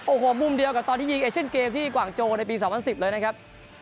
โอ้โหมุมเดียวกับตอนที่ยิงเอเชียนเกมที่กว่างโจในปี๒๐๑๐เลยนะครับ